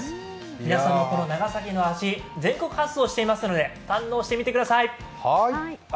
皆さんもこの長崎の味、全国発送していますので堪能してみてください。